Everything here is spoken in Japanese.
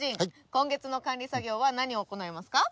今月の管理作業は何を行ないますか？